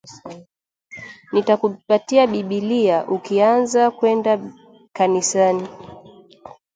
Nitakupatia bibilia ukianza kuenda kanisani